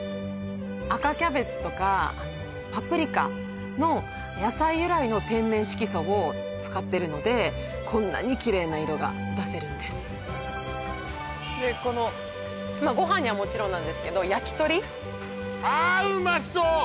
赤キャベツとかパプリカの野菜由来の天然色素を使ってるのでこんなにきれいな色が出せるんですでこのご飯にはもちろんなんですけど焼鳥あっうまそう！